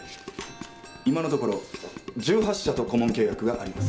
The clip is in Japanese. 今のところ１８社と顧問契約があります。